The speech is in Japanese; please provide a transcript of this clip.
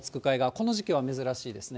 この時期は珍しいですね。